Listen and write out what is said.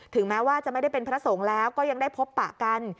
แม้ว่าจะไม่ได้เป็นพระสงฆ์แล้วก็ยังได้พบปะกัน